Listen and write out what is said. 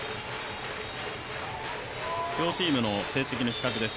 両チームの成績の比較です。